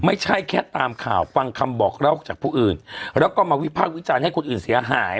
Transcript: ไม่ใช่แค่ตามข่าวฟังคำบอกเล่าจากผู้อื่นแล้วก็มาวิพากษ์วิจารณ์ให้คนอื่นเสียหาย